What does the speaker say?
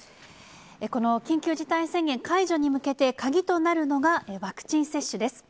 この緊急事態宣言解除に向けて鍵となるのが、ワクチン接種です。